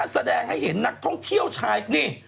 แสดงให้เห็นนักท่องเที่ยวชายนี่